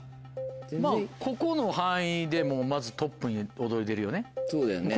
まぁここの範囲でもうまずトップに躍り出るよね。